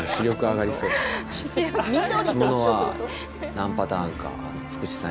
何パターンか福士さん